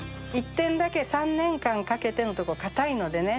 １点だけ「三年間かけて」のところかたいのでね